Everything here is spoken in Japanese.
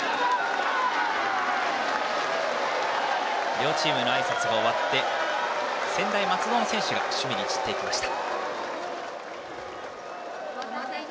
両チームのあいさつが終わって専大松戸の選手が守備に散っていきました。